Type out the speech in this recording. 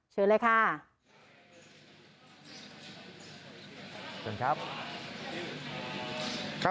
เชิญเลยค่ะ